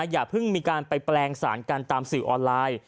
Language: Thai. อย่าเพิ่งมีการไปแปลงสารกันตามสื่อออนไลน์